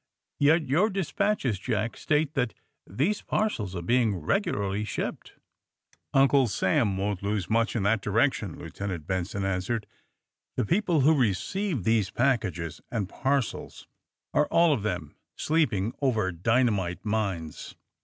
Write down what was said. Yet your de spatches, Jack, state that these parcels are being regularly shipped." "Uncle Sam won't lose much in that direc tion," Lieutenant Benson answered. '' The peo ple who receive these packages and parcels are 30 THE SUBMAEINE BOYS all of tliem sleeping over dynamite mines.